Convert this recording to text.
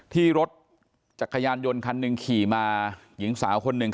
ที่รถจักรยานยนต์คันหนึ่งขี่มาหญิงสาวคนหนึ่ง